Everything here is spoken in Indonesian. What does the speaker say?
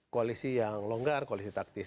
koalisi yang longgar koalisi taktis